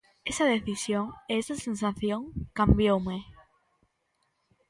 Esa decisión e esa sensación cambioume.